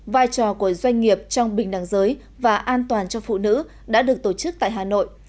vai trò của doanh nghiệp trong bình đẳng giới và an toàn cho phụ nữ đã được tổ chức tại hà nội